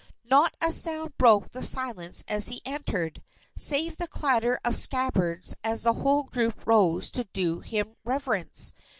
Not a sound broke the silence as he entered, save the clatter of scabbards as the whole group rose to do him reverence.